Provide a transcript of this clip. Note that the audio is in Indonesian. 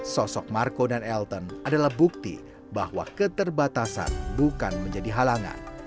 sosok marco dan elton adalah bukti bahwa keterbatasan bukan menjadi halangan